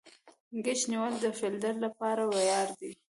کېچ نیول د فیلډر له پاره ویاړ دئ.